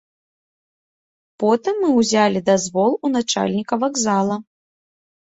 Потым мы ўзялі дазвол у начальніка вакзала.